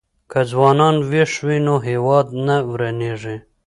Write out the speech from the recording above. که ځوانان ويښ وي نو هېواد نه ورانېږي.